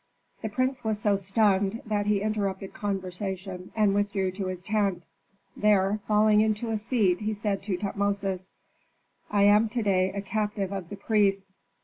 The prince was so stunned that he interrupted conversation and withdrew to his tent. There falling into a seat he said to Tutmosis, "I am to day a captive of the priests.